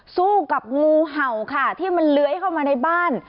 สู้กับงูเห่าค่ะที่มันเลื้อยเข้ามาในบ้าน